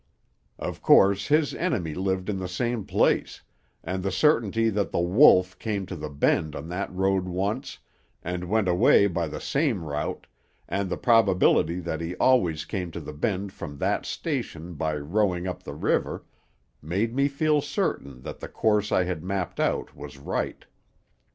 Of course his enemy lived in the same place, and the certainty that The Wolf came to the Bend on that road once, and went away by the same route, and the probability that he always came to the Bend from that station by rowing up the river, made me feel certain that the course I had mapped out was right.